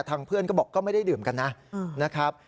เพื่อนก็บอกก็ไม่ได้ดื่มกันนะครับ